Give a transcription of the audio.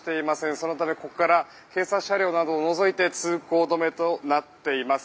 そのためここから警察車両などを除いて通行止めとなっています。